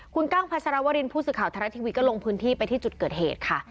คุณกั้งพัชรวรินผู้สื่อข่าวทรัฐทีวีก็ลงพื้นที่ไปที่จุดเกิดเหตุค่ะ